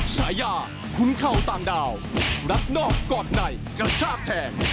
ฉายาขุนเข่าต่างดาวนักนอกกอดในกระชากแทง